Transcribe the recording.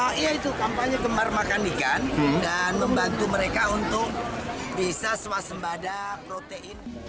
oh iya itu kampanye gemar makan ikan dan membantu mereka untuk bisa swasembada protein